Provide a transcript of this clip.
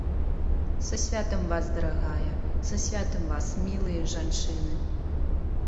Са святам вас, дарагая, са святам вас, мілыя жанчыны!